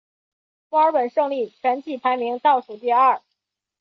墨尔本胜利全季排名倒数第二。